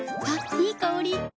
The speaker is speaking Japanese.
いい香り。